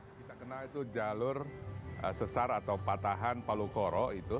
kita kenal itu jalur sesar atau patahan palu koro itu